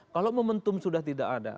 kalau momentum sudah tidak ada